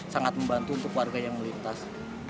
sangat membantu untuk warga yang melintas